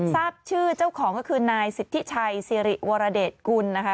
ทราบชื่อเจ้าของก็คือนายสิทธิชัยสิริวรเดชกุลนะคะ